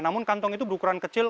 namun kantong itu berukuran kecil